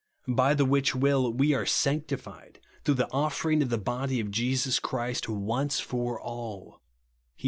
By the which will we are sanctified, through the offer ing of the body of Jesus Christ once for all," (Heb.